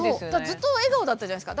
ずっと笑顔だったじゃないですか。